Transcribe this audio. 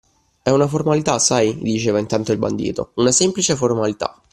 È una formalità, sai, gli diceva intanto il bandito, una semplice formalità.